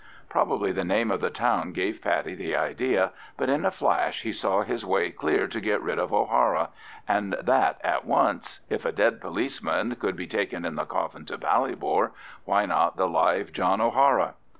Probably the name of the town gave Paddy the idea, but in a flash he saw his way clear to get rid of O'Hara, and that at once—if a dead policeman could be taken in the coffin to Ballybor, why not the live John O'Hara?